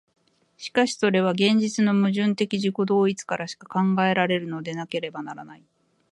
しかしそれは現実の矛盾的自己同一からしか考えられるのでなければならない。